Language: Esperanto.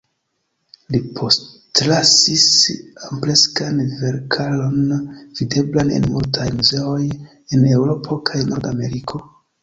Li postlasis ampleksan verkaron, videblan en multaj muzeoj en Eŭropo kaj Norda Ameriko.